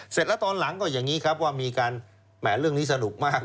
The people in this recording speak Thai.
เสร็จแล้วตอนหลังก็อย่างนี้ครับว่ามีการแหมเรื่องนี้สนุกมาก